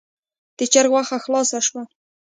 د چرګ غوښه خلاصه شوه.